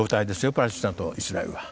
パレスチナとイスラエルは。